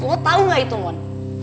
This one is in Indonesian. gue tau gak itu mon